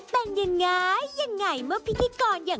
โปรดติดตามตอนต่อไป